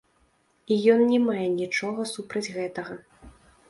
І ён не мае нічога супраць гэтага.